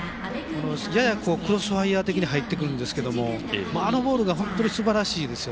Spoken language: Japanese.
ややクロスファイアー的に入ってくるんですけどあのボールが本当すばらしいです。